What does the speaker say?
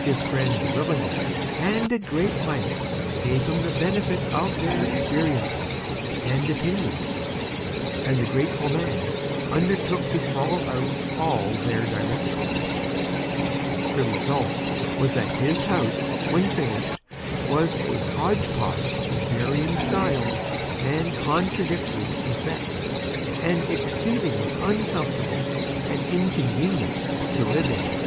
His Friends willingly and at Great Length gave him the Benefit of their Experiences and Opinions, and the Grateful Man undertook to Follow Out all their Directions. The Result was that his House, when finished, was a Hodge Podge of Varying Styles and Contradictory Effects, and Exceedingly Uncomfortable and Inconvenient to Live In.